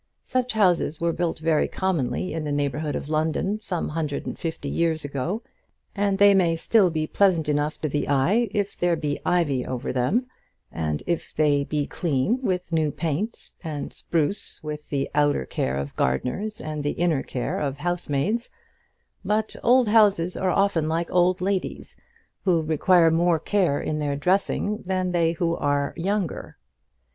Such houses were built very commonly in the neighbourhood of London some hundred and fifty years ago, and they may still be pleasant enough to the eye if there be ivy over them, and if they be clean with new paint, and spruce with the outer care of gardeners and the inner care of housemaids; but old houses are often like old ladies, who require more care in their dressing than they who are younger.